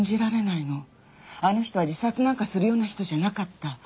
あの人は自殺なんかするような人じゃなかった。